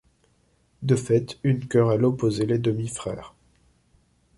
De fait, une querelle opposaient les demi-frères.